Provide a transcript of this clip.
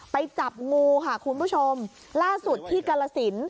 ไปจับงูค่ะคุณผู้ชมล่าสุดที่กรสิน